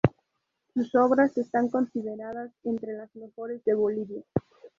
Sus obras están consideradas entre las mejores de Bolivia.